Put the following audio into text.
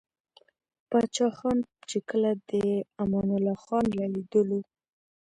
پاچاخان ،چې کله دې امان الله خان له ليدلو o